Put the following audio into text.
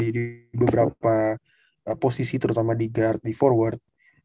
di beberapa posisi terutama di guard di forward